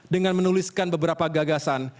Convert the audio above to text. dengan menuliskan beberapa gagasan